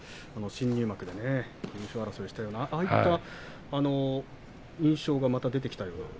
新入幕で優勝争いをしたときのようなあの印象がまた出てきたような。